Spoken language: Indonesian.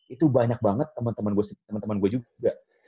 itu banyak banget temen temen gue juga